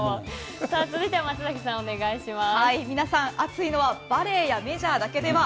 続いては松崎さんお願いします。